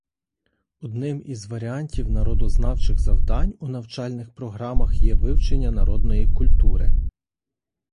Одним із варіантів народознавчих завдань у навчальних програмах є вивчення народної культури та традицій.